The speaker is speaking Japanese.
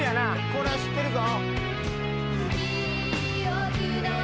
これは知ってるぞ。